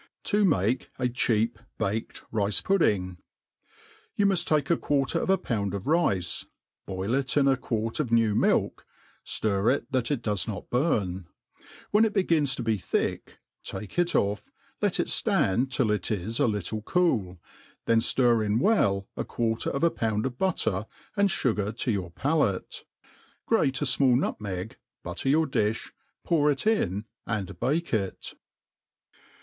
'' To MADE PLAIN AND EASY. 225 70 mqki a Aiop baked Ktce^Puddlngl YOU myft take a quarter of a pound of rice, boil it In a quart of new milk, ftir it tHat it does not burn ; when it be gins to be thick, takeJt off, let it ftand till it is a little cool, then ftir in well a quarter of a pound of butter, and fugar to your palate ; grate a fmall nutmeg', butter your difh, pour it in, and bake it.